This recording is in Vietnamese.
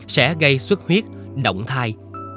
sẽ gây xuất huyết động thai